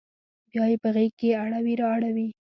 بیا یې په غیږ کې اړوي را اوړي